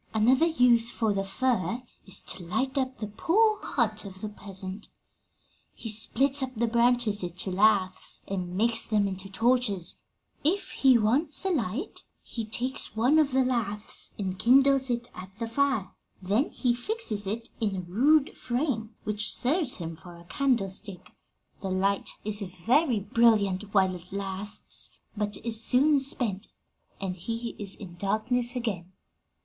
"Another use for the fir is to light up the poor hut of the peasant. 'He splits up the branches into laths and makes them into torches. If he wants a light, he takes one of the laths and kindles it at the fire; then he fixes it in a rude frame, which serves him for a candlestick. The light is very brilliant while it lasts, but is soon spent, and he is in darkness again.